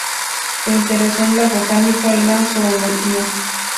Se interesó en la botánica y la zoología.